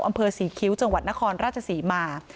อำเภอศรีคิ้วจังหวัดนครราชศรีมา